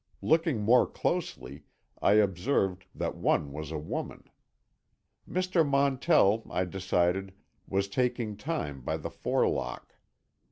Looking more closely I observed that one was a woman. Mr. Montell, I decided, was taking time by the forelock.